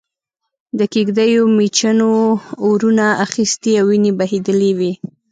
د کېږدیو مېچنو اورونه اخستي او وينې بهېدلې وې.